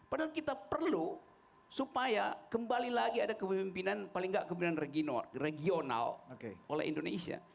padahal kita perlu supaya kembali lagi ada kepemimpinan paling tidak kemudian regional oleh indonesia